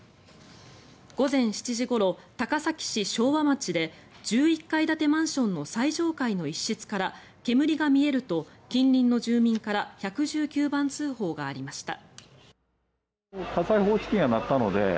午前７時ごろ、高崎市昭和町で１１階建てマンションの最上階の一室から煙が見えると近隣の住民から１１９番通報がありました。